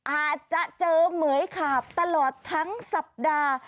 อาจจะเจอเหมือยขาบตลอดทั้งสัปดาห์